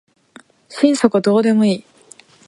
心底どうでもいい